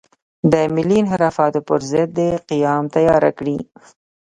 د ملي انحرافاتو پر ضد دې قیام تیاره کړي.